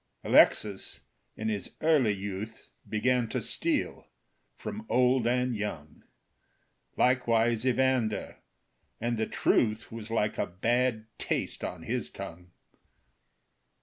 Alexis, in his early youth, Began to steal from old and young. Likewise Evander, and the truth Was like a bad taste on his tongue.